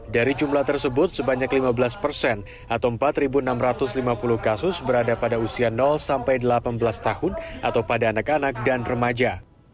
dari jumlah tersebut sebanyak lima belas persen atau empat enam ratus lima puluh kasus berada pada usia sampai delapan belas tahun atau pada anak anak dan remaja